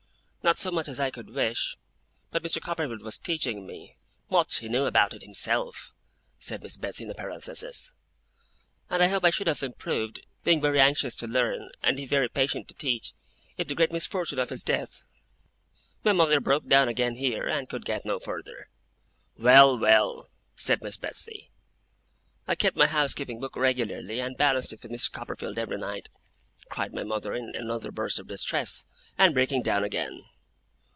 'Not so much as I could wish. But Mr. Copperfield was teaching me ' ['Much he knew about it himself!') said Miss Betsey in a parenthesis. 'And I hope I should have improved, being very anxious to learn, and he very patient to teach me, if the great misfortune of his death' my mother broke down again here, and could get no farther. 'Well, well!' said Miss Betsey. 'I kept my housekeeping book regularly, and balanced it with Mr. Copperfield every night,' cried my mother in another burst of distress, and breaking down again.